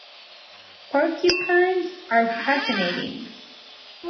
Porcupines are fascinating.